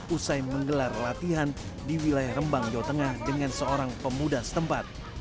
usai menggelar latihan di wilayah rembang jawa tengah dengan seorang pemuda setempat